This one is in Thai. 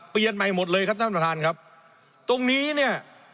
เปลี่ยนใหม่หมดเลยครับท่านประธานครับตรงนี้เนี่ย